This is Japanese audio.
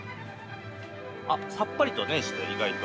さっぱりとして、意外と。